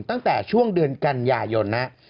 ตั้งแต่ช่วงเดือนกันยายนนะ